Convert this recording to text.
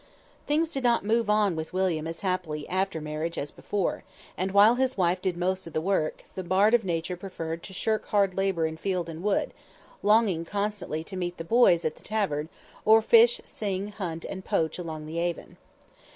Things did not move on with William as happily after marriage as before, and while his wife did most of the work, the Bard of Nature preferred to shirk hard labor in field and wood, longing constantly to meet the "boys" at the tavern, or fish, sing, hunt and poach along the Avon.